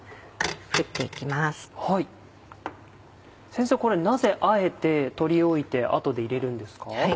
先生これなぜあえてとりおいて後で入れるんですか？